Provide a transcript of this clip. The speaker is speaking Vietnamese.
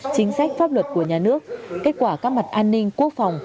chính sách pháp luật của nhà nước kết quả các mặt an ninh quốc phòng